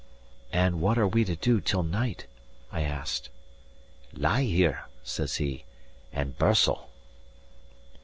"And what are we to do till night?" I asked. "Lie here," says he, "and birstle."